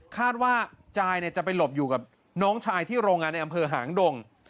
คาดว่าจายจะไปหลบอยู่กับน้องชายที่โรงงานในอำเภอหางดง